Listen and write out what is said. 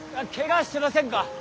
けがしてませんか？